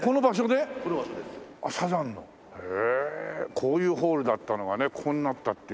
こういうホールだったのがねこうなったっていう。